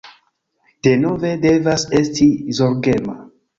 Denove, devas esti zorgema